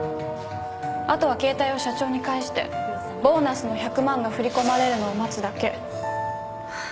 あとは携帯を社長に返してボーナスの１００万が振り込まれるのを待つだけ。